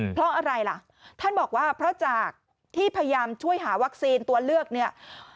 เพราะอะไรล่ะท่านบอกว่าเพราะจากที่พยายามช่วยหาวัคซีนตัวเลือกเนี่ย